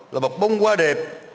là một bông hoa đẹp